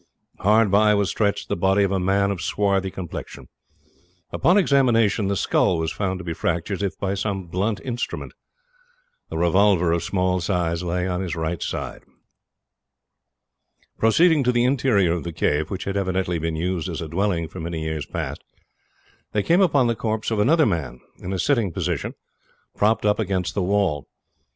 Hard by was stretched the body of a man of swarthy complexion. Upon examination the skull was found to be fractured, as if by some blunt instrument. A revolver of small size lay on his right side. Proceeding to the interior of the cave, which had evidently been used as a dwelling for many years past, they came upon the corpse of another man, in a sitting posture, propped up against the wall.